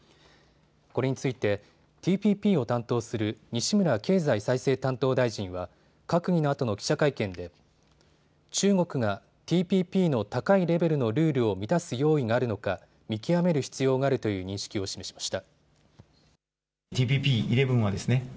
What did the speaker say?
これについてＴＰＰを担当する西村経済再生担当大臣は閣議のあとの記者会見で中国がＴＰＰの高いレベルのルールを満たす用意があるのか見極める必要があるという認識を示しました。